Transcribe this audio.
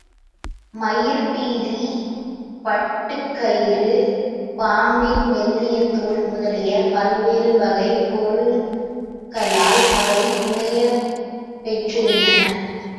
மயிற்பீலி, பட்டுக் கயிறு, பாம்பின் மெல்லிய தோல் முதலிய பல்வேறு வகைப் பொருள்களால் அவை புனையப் பெற்றிருந்தன.